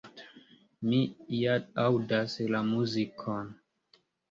Mi ja aŭdas la muzikon!”.